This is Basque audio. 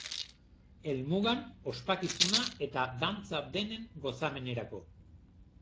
Helmugan, ospakizuna eta dantza denen gozamenerako.